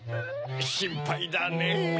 しんぱいだねぇ。